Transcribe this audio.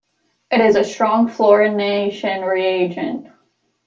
It is a strong fluorination reagent.